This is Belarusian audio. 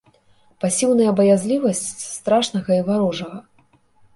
Пасіўная баязлівасць страшнага і варожага.